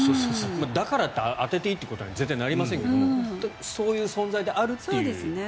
だからって当てていいということには絶対になりませんけどそういう存在であるということですね。